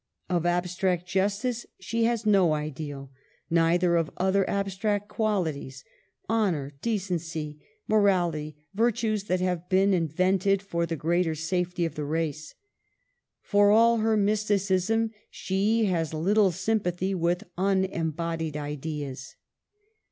Of abstract justice she has no ideal; neither of other abstract qualities, — honor, decency, morality, virtues that have been in vented for the greater safety of the race. For all her mysticism, she has little sympathy with unembodied ideas.